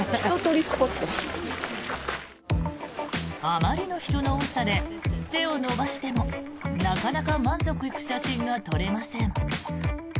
あまりの人の多さで手を伸ばしてもなかなか満足いく写真が撮れません。